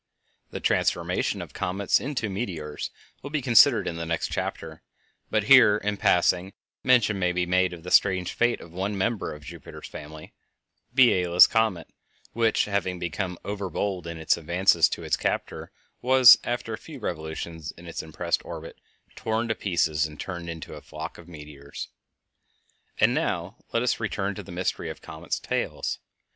The transformation of comets into meteors will be considered in the next chapter, but here, in passing, mention may be made of the strange fate of one member of Jupiter's family, Biela's comet, which, having become over bold in its advances to its captor, was, after a few revolutions in is impressed orbit, torn to pieces and turned into a flock of meteors. And now let us return to the mystery of comets' tails.